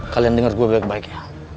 kalian dengar gue baik baik ya